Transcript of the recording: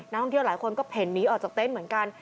น้ำท่องเที่ยวหลายคนก็เห็นนี้ออกจากเต้นเหมือนกัน